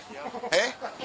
えっ？